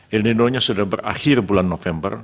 el nino nya sudah berakhir bulan november